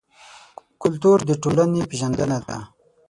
کلتور د ټولنې پېژندنه ده.